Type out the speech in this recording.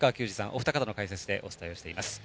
お二方の解説でお伝えしています。